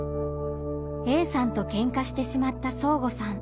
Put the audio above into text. Ａさんとけんかしてしまったそーごさん。